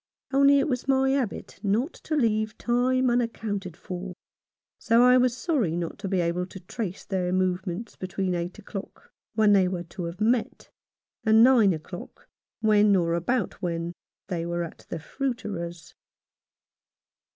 Only it is my habit not to leave time unaccounted for, so I was sorry not to be able to trace their movements between eight o'clock, when they were to have met, and nine o'clock, when, or about when, they were at the fruiterer's.